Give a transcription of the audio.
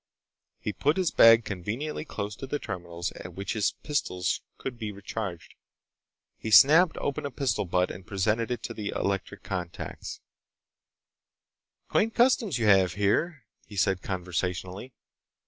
He put his bag conveniently close to the terminals at which his pistols could be recharged. He snapped open a pistol butt and presented it to the electric contacts. "Quaint customs you have here," he said conversationally.